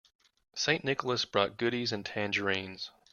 St. Nicholas brought goodies and tangerines.